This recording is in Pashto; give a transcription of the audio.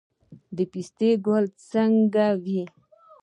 د پستې ګل څنګه وي؟